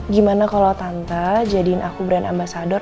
gimana kalau tante jadiin aku brand ambasador